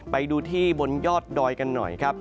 ไปดูที่บนยอดดอยกันหน่อยครับ